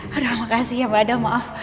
terima kasih ya mbak ada maaf